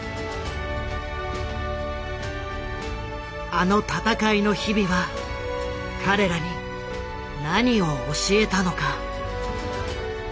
あの戦いの日々は彼らに何を教えたのか。